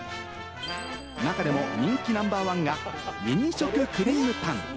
中でも人気ナンバーワンがミニ食クリームパン。